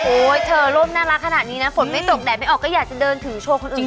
เธอร่มน่ารักขนาดนี้นะฝนไม่ตกแดดไม่ออกก็อยากจะเดินถือโชว์คนอื่น